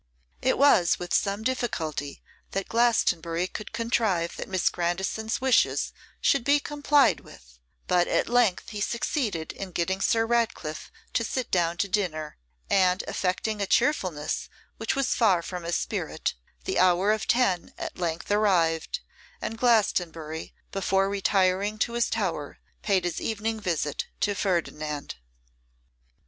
It was with some difficulty that Glastonbury could contrive that Miss Grandison's wishes should be complied with; but at length he succeeded in getting Sir Ratcliffe to sit down to dinner, and affecting a cheerfulness which was far from his spirit, the hour of ten at length arrived, and Glastonbury, before retiring to his tower, paid his evening visit to Ferdinand.